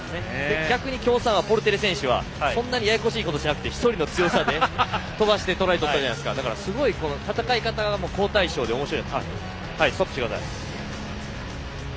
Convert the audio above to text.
逆に京産のポルテレ選手はそんなにややこしいことをしないで１人の強さで飛ばしてトライを取ったのでだから、すごい戦い方が好対照でおもしろい。